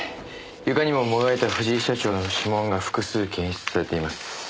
床にももがいた藤井社長の指紋が複数検出されています。